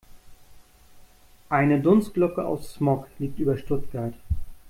Eine Dunstglocke aus Smog liegt über Stuttgart.